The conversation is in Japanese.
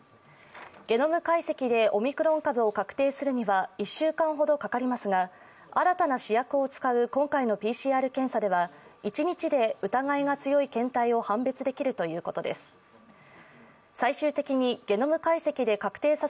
ゲノム解析でオミクロン株を確定させるには１週間ほどかかりますが、新たな試薬を使う今回のＰＣＲ検査では、一日で疑いが強い検体を判別できるということでえす。